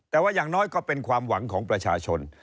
แต่ว่าอย่างน้อยก็เป็นความหวังของประชาชน